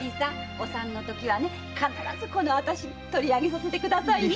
お産のときは必ずこの私に取りあげさせてくださいね！